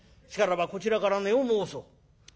しからばこちらから値を申そう。